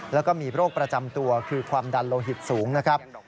แล้วก็มีโรคประจำตัวคือความดันโลหิตสูงนะครับ